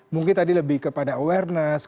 mungkin tadi lebih kepada awareness kemudian branding